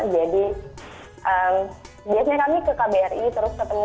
biasanya kami ke kbri terus ketemu